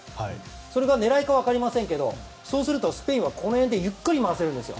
それが狙いかは分かりませんがそうするとスペインは中盤でゆっくり回せるんですよ。